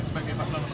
sebagai pak selalu